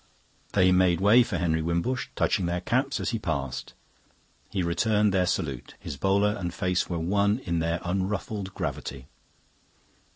They made way for Henry Wimbush, touching their caps as he passed. He returned their salute; his bowler and face were one in their unruffled gravity.